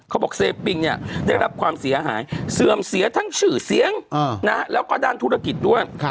บอกเซปิงเนี่ยได้รับความเสียหายเสื่อมเสียทั้งชื่อเสียงแล้วก็ด้านธุรกิจด้วย